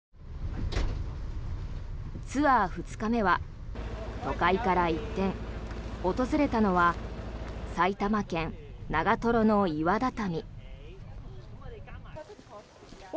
ツアー２日目は都会から一転訪れたのは埼玉県長瀞の岩畳。